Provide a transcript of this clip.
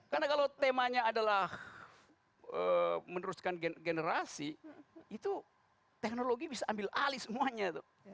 karena kalau temanya adalah meneruskan generasi itu teknologi bisa ambil alih semuanya